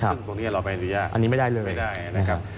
ซึ่งตรงนี้เราไม่อันดูยากไม่ได้นะครับ